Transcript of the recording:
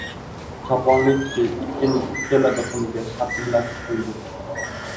— Choponli kishi echkining ikkala biqiniga shapillatib qo‘ydi.